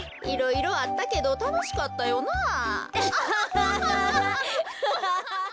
いろいろあったけどたのしかったよな。